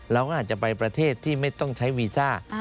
เราก็อาจจะไปประเทศที่ไม่ต้องใช้วีซ่า